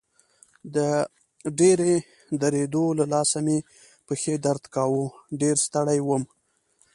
د ډېرې درېدو له لاسه مې پښې درد کاوه، ډېر ستړی وم.